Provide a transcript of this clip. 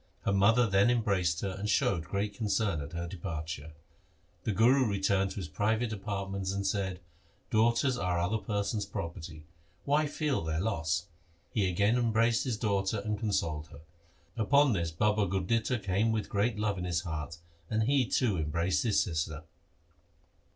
Her mother then embraced her and showed great concern at her departure. The Guru returned to his private apartments and said, ' Daughters are other persons' property. Why feel their loss ?' He again embraced his daughter and consoled her. Upon this Baba Gurditta came with great love in his heart, and he, too, embraced his sister.